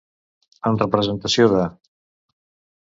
En representació de.